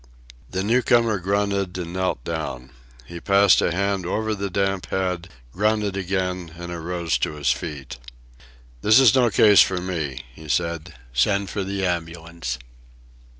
The newcomer grunted and knelt down. He passed a hand over the damp head, grunted again, and arose to his feet. "This is no case for me," he said. "Send for the ambulance."